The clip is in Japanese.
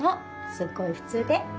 すっごい普通で